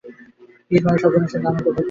ঈদ মানে স্বজনের সঙ্গে আনন্দ ভাগ করে নেওয়া।